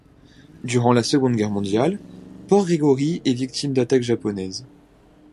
Durant la Seconde Guerre mondiale, Port Gregory est victime d'attaques japonaises.